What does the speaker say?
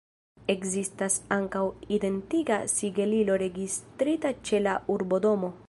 Ekzistas ankaŭ identiga sigelilo registrita ĉe la urbodomo.